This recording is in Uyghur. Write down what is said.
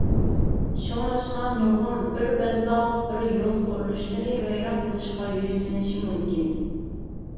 شۇڭلاشقا، نۇرغۇن «بىر بەلباغ بىر يول» قۇرۇلۇشلىرى ۋەيران بولۇشقا يۈزلىنىشى مۇمكىن.